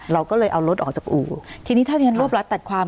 เราก็เลยเอารถออกจากอู่ทีนี้ถ้าที่ฉันรวบรัดตัดความ